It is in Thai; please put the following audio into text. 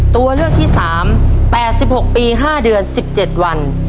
ตัวเลือกที่สามแปดสิบหกปีห้าเดือนสิบเจ็ดวัน